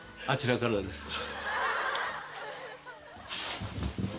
あちらからです。